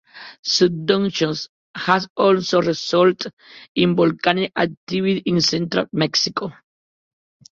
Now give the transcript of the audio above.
Subduction has also resulted in volcanic activity in central Mexico.